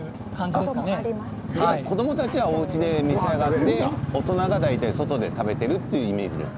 では子どもたちはおうちで召し上がって大人たちが外で食べてるというイメージですか？